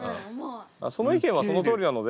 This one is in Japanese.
その意見はそのとおりなので。